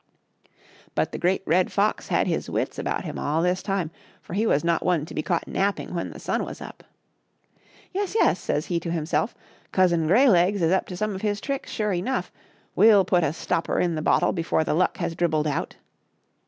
But the Great Red Fox had his wits about him all this time, for he was not one to be caught napping when the sun was up. " Yes, yes," says he to himself, " Cousin Greylegs is up to some of his tricks, sure enough ; we'll put a stopper in the bottle before the luck has dribbled out."